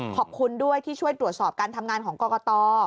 ขอบคุณด้วยที่ช่วยตรวจสอบการทำงานของกรกต